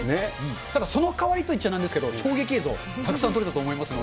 ただその代わりと言っちゃなんですけど、衝撃映像、たくさん撮れたと思いますので。